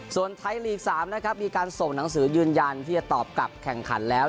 ส่วนไทยลีก๓นะครับมีการส่งหนังสือยืนยันที่จะตอบกลับแข่งขันแล้ว